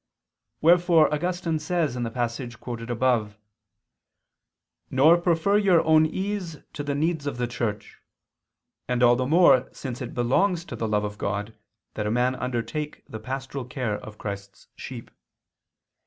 Wherefore Augustine says in the passage quoted above: "Nor prefer your own ease to the needs of the Church," and all the more since it belongs to the love of God that a man undertake the pastoral care of Christ's sheep.